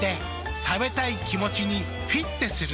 食べたい気持ちにフィッテする。